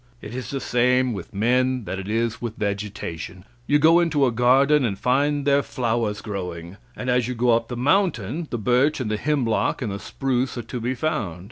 It is the same with men that it is with vegetation; you go into a garden, and find there flowers growing. And as you go up the mountain, the birch and the hemlock and the spruce are to be found.